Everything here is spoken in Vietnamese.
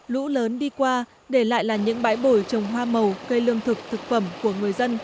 lũ lớn đi qua để lại là những bãi bồi trồng hoa màu cây lương thực thực phẩm của người dân